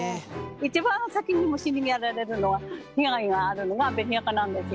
一番先に虫にやられるのは被害があるのが紅赤なんですよ。